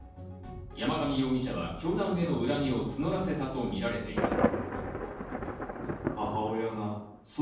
山上容疑者は教団への恨みを募らせたとみられています。